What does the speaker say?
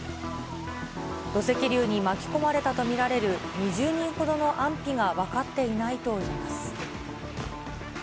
土石流に巻き込まれたと見られる２０人ほどの安否が分かっていないといいます。